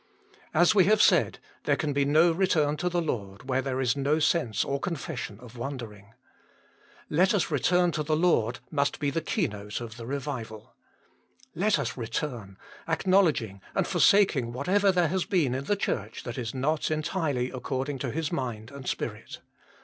As we have said, there can be no return to the Lord, where there is no sense or confession of wandering. Let us return to the Lord must be the keynote of the revival. Let us return, acknow ledging and forsaking whatever there has been in the Church that is not entirely according to His mind and spirit.